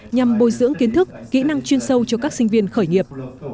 nhằm bồi dưỡng kiến thức kỹ năng chuyên sâu cho các sinh viên khởi nghiệp